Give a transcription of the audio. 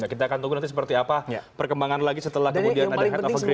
kita akan tunggu nanti seperti apa perkembangan lagi setelah kemudian ada head of great